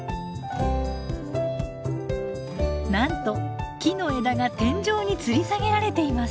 なんと木の枝が天井につり下げられています。